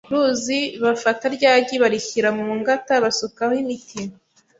ruzi bafata rya gi barishyira mu ngata basukaho imiti,